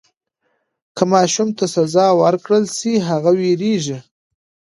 که ماشوم ته سزا ورکړل سي هغه وېرېږي.